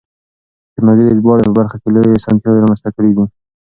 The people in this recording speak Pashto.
تکنالوژي د ژباړې په برخه کې لویې اسانتیاوې رامنځته کړې دي.